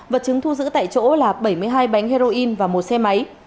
vật chứng thu giữ tại chỗ là bảy mươi hai bánh heroin và một xe máy